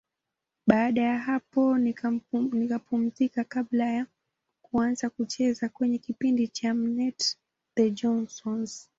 Baada ya hapo nikapumzika kabla ya kuanza kucheza kwenye kipindi cha M-net, The Johnsons.